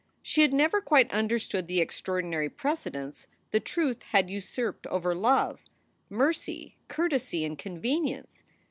She had never quite understood the extraordinary precedence the truth had usurped over love, mercy, courtesy, and convenience.